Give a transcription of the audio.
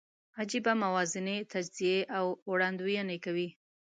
عجېبه موازنې، تجزیې او وړاندوینې کوي.